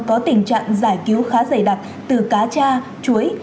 có tình trạng giải cứu khá dày đặc từ cá cha chuối